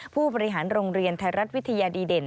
ผู้บริหารโรงเรียนไทยรัฐวิทยาดีเด่น